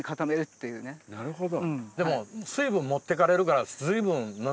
なるほど。